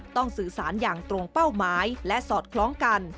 สื่อสารอย่างตรงเป้าหมายและสอดคล้องกัน